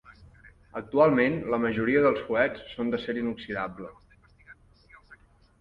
Actualment, la majoria dels fuets són d'acer inoxidable.